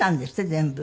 全部。